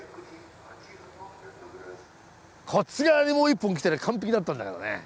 こっち側にもう一本来たら完璧だったんだけどね。